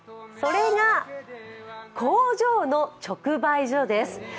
それが工場の直売所です。